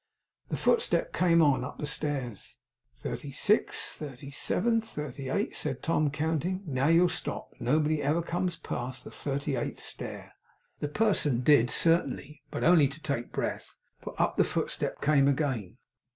The footstep came on, up the stairs. 'Thirty six, thirty seven, thirty eight,' said Tom, counting. 'Now you'll stop. Nobody ever comes past the thirty eighth stair.' The person did, certainly, but only to take breath; for up the footstep came again.